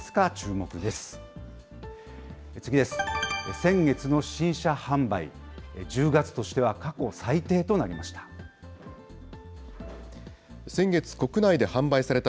先月の新車販売、１０月としては過去最低となりました。